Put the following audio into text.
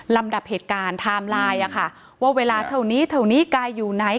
ลำดับเหตุการณ์ไทม์ไลน์ว่าเวลาเท่านี้เท่านี้กายอยู่ไหน